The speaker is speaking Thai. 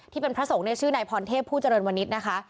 ที่เป็นพระสงฆ์ในชื่อนายพรเทพผู้เจริญวันนิษฐ์นะคะ